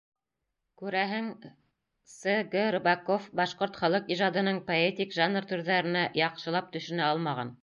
Күрәһең, С. Г. Рыбаков башҡорт халыҡ ижадының поэтик жанр төрҙәренә яҡшылап төшөнә алмаған.